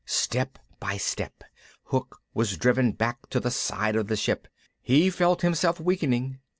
Step by step Hook was driven back to the side of the ship. He felt himself weakening.